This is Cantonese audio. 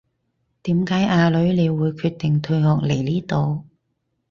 點解阿女你會決定退學嚟呢度